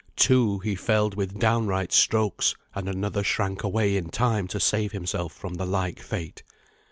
Two he felled with downright strokes, and another shrank away in time to save himself from the like fate.